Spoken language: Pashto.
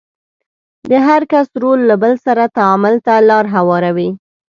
د هر کس رول له بل سره تعامل ته لار هواروي.